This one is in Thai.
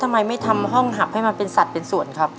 ทำไมไม่ทำห้องหับให้มันเป็นสัตว์เป็นส่วนครับ